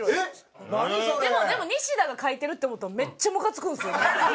でもニシダが書いてるって思うとめっちゃムカつくんですよ。